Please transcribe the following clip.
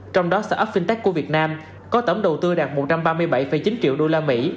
trong đó start up fintech của việt nam có tổng đầu tư đạt một trăm ba mươi bảy chín triệu đô la mỹ